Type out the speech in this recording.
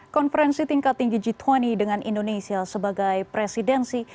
konferensi tingkat tinggi g dua puluh dengan indonesia sebagai presidensi